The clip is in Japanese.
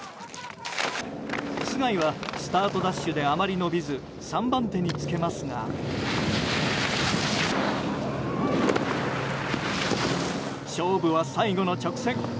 須貝はスタートダッシュであまり伸びず３番手につけますが勝負は最後の直線。